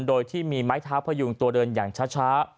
โดยที่มีไม้เท้าพยุงตัวเดินอย่างช้า